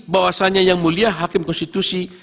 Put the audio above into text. bahwasannya yang mulia hakim konstitusi